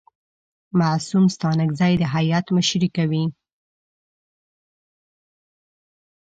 معصوم ستانکزی د هیات مشري کوي.